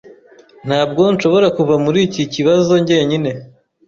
Ntabwo nshobora kuva muri iki kibazo njyenyine.